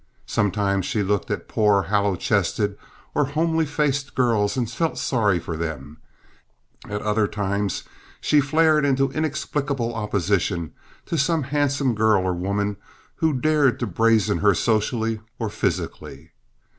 Sometimes she looked at poor, hollow chested or homely faced girls and felt sorry for them; at other times she flared into inexplicable opposition to some handsome girl or woman who dared to brazen her socially or physically.